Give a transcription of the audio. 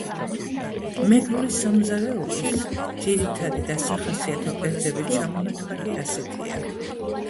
მეგრული სამზარეულოს ძირითადი და სახასიათო კერძების ჩამონათვალი ასეთია